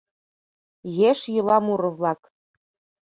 ЕШ ЙӰЛА МУРО-ВЛАК.